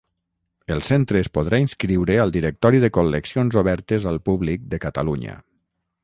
El centre es podrà inscriure al Directori de Col·leccions obertes al públic de Catalunya.